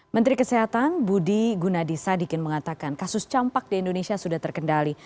menteri kesehatan budi gunadisadikin mengatakan kasus campak di indonesia sudah terkendali